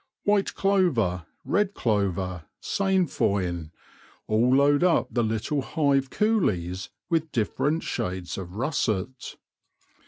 White clover, red clover, sainfoin, all load up the little hive coolies with dif ferent shades of russet.